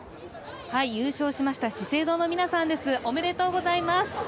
優勝しました資生堂の皆さんですおめでとうございます。